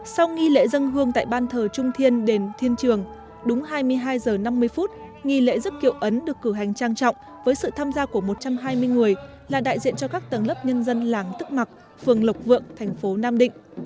sau nghi lễ dân hương tại ban thờ trung thiên đền thiên trường đúng hai mươi hai h năm mươi nghi lễ dấp kiệu ấn được cử hành trang trọng với sự tham gia của một trăm hai mươi người là đại diện cho các tầng lớp nhân dân làng tức mặc phường lộc vượng thành phố nam định